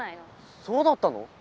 そうだったの？